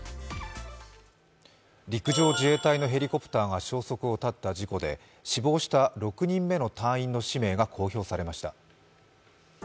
陸上自衛隊のヘリコプターが消息を絶った事故で死亡した６人目の隊員の氏名が公表されました。